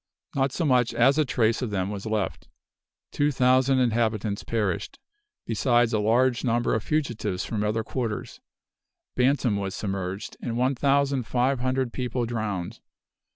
Not so much as a trace of them was left. Two thousand inhabitants perished, besides a large number of fugitives from other quarters. Bantam was submerged, and one thousand five hundred people drowned.